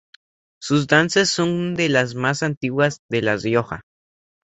Sus danzas son de las más antiguas de La Rioja.